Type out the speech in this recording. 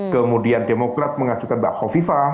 kemudian demokrat mengajukan mbak khofifa